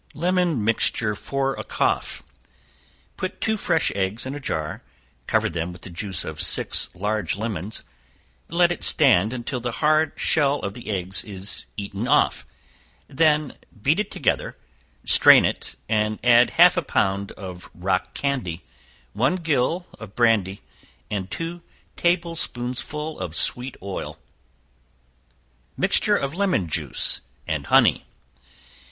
Lemon Mixture for a Cough. Put two fresh eggs in a jar; cover them with the juice of six large lemons; let it stand until the hard shell of the eggs is eaten off; then beat it together; strain it, and add half a pound of rock candy, one gill of brandy and two table spoonsful of sweet oil. Mixture of Lemon Juice and Honey.